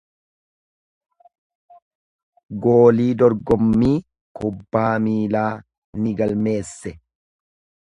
Goolii dorgommii kubbaa miilaa ni galmeesse.